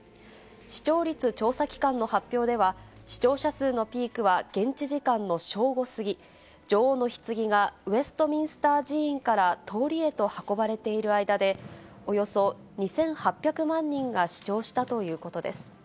視聴率調査機関の発表では、視聴者数のピークは現地時間の正午過ぎ、女王のひつぎがウェストミンスター寺院から通りへと運ばれている間で、およそ２８００万人が視聴したということです。